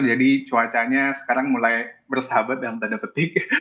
jadi cuacanya sekarang mulai bersahabat dalam tanda petik